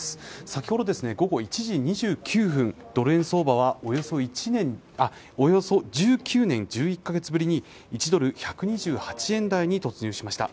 先ほど午後１時２９分、ドル円相場はおよそ１９年１１カ月ぶりに１ドル＝１２８円台に突入しました。